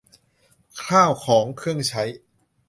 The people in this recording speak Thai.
ข้าวของเครื่องใช้